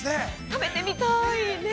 ◆食べてみたいね。